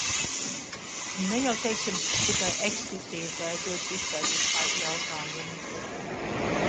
Un ne jau, teiksim, tikai ekskursijas dēļ dodas izpētīt kādu jautājumu.